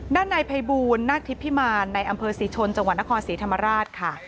ด้านในภัยบูลนาคทิพิมารในอำเภอศรีชนจังหวัดนครศรีธรรมราชค่ะ